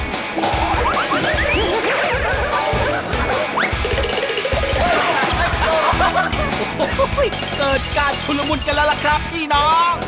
โอ้โหเกิดการชุนละมุนกันแล้วล่ะครับพี่น้อง